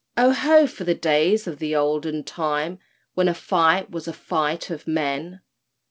_Oho! for the days of the olden time, When a fight was a fight of men!